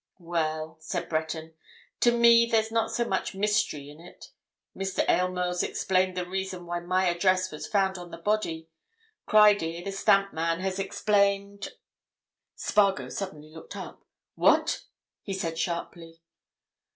"Well," said Breton, "to me there's not so much mystery in it. Mr. Aylmore's explained the reason why my address was found on the body; Criedir, the stamp man, has explained—" Spargo suddenly looked up. "What?" he said sharply.